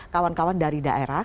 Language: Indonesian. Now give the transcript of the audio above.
kawan kawan dari daerah